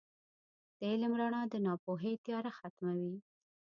• د علم رڼا د ناپوهۍ تیاره ختموي.